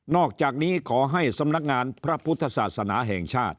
อกจากนี้ขอให้สำนักงานพระพุทธศาสนาแห่งชาติ